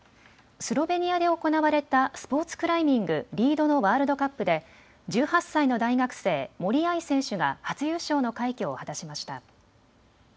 スロベニアで行われたスポーツクライミング、リードのワールドカップで１８歳の大学生森秋彩選手が初優勝の快挙を果たしました。